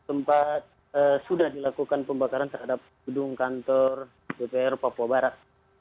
lalu tempat yang dilakukan pembakaran terhadap gedung kantor dpr papua barat